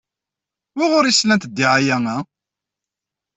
Wuɣur ay slant ddiɛaya-a?